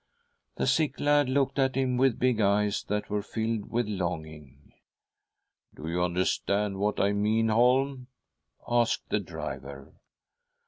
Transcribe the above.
The sick lad looked at him with big eyes that were filled with longing. "Do you understand what I mean, Holm?" asked the driver.